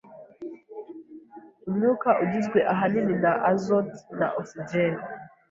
Umwuka ugizwe ahanini na azote na ogisijeni.